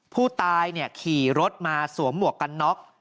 ผู้ตายขี่รถมาสวมหมวกกันน็อก